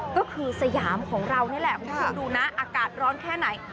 ก็คือสยามของเรานี่แหละคุณผู้ชมดูนะอากาศร้อนแค่ไหน